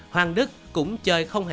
hoàng đức cũng chơi không kém